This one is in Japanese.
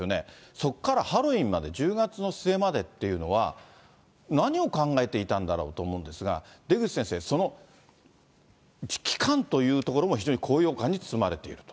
そこからハロウィーンまで、１０月の末までっていうのは、何を考えていたんだろうと思うんですが、出口先生、その期間というところも非常に高揚感に包まれていると。